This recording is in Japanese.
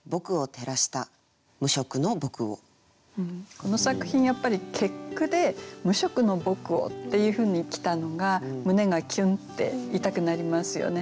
この作品やっぱり結句で「無職の僕を」っていうふうに来たのが胸がキュンって痛くなりますよね。